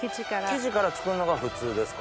生地から作るのが普通ですか？